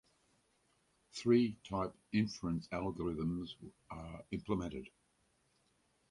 three type inference algorithms are implemented